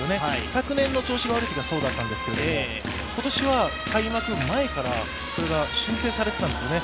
昨年の調子が悪いときがそうだったんですけど、今年は開幕前からそれが修正されていたんですよね。